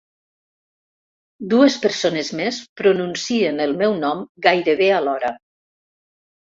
Dues persones més pronuncien el meu nom gairebé alhora.